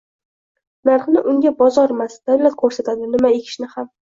Narxni unga bozormas davlat koʻrsatadi, nima ekishni ham.